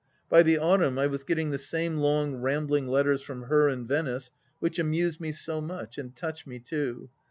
By the autumn, I was getting the same long rambling letters from her and Venice which amuse me so much, and touch me too.